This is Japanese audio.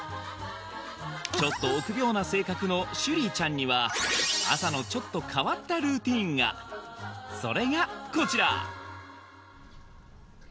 ちょっと臆病な性格のシュリーちゃんには朝のちょっと変わったルーティンがそれがこちら！